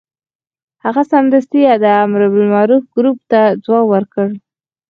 هغه سمدستي د امر بالمعروف ګروپ ته ځواب ورکړ.